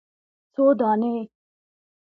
_څو دانې ؟